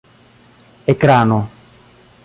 ekrano